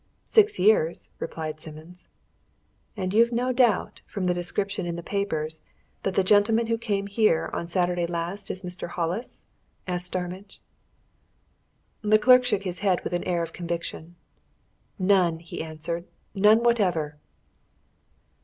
"Six years," replied Simmons. "And you've no doubt, from the description in the papers, that the gentleman who came here on Saturday last is Mr. Hollis?" asked Starmidge. The clerk shook his head with an air of conviction. "None!" he answered. "None whatever!"